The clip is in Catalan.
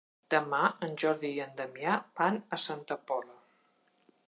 Demà en Jordi i en Damià van a Santa Pola.